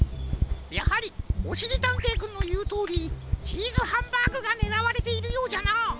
やはりおしりたんていくんのいうとおりチーズハンバーグがねらわれているようじゃな。